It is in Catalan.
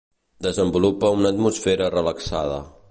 Desenvolupa una atmosfera relaxada.